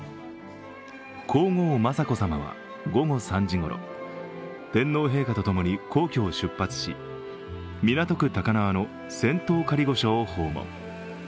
皇后・雅子さまは午後３時ごろ天皇陛下とともに皇居を出発し港区高輪の仙洞仮御所を訪問。